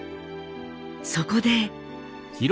そこで。